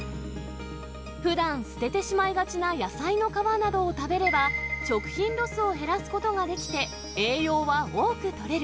ふだん捨ててしまいがちな野菜の皮などを食べれば、食品ロスを減らすことができて、栄養は多くとれる。